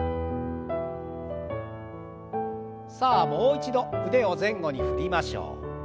さあもう一度腕を前後に振りましょう。